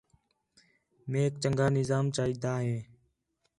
میک چنڳا نظام چاہیجدا ہے